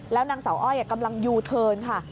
แล้วนางสาวอ้อยกำลังยูเทิร์นค่ะ